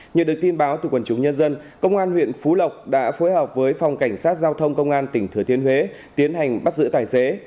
nhờ được tin báo từ quần chúng nhân dân công an huyện phú lộc đã phối hợp với phòng cảnh sát giao thông công an tỉnh thừa thiên huế tiến hành bắt giữ tài xế